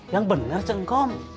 yang bener cengkong